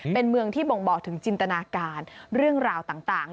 เป็นเมืองที่บ่งบอกถึงจินตนาการเรื่องราวต่าง